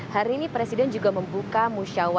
hari ini presiden juga membuka musyawarah yang berikutnya